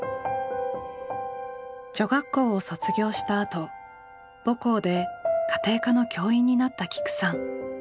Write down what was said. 女学校を卒業したあと母校で家庭科の教員になったきくさん。